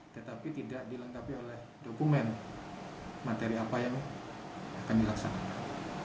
tetapi tidak dilengkapi oleh dokumen materi apa yang akan dilaksanakan